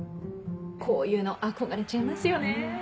こういうの憧れちゃいますよね？